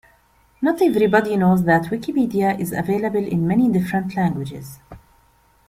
Not everybody knows that Wikipedia is available in many different languages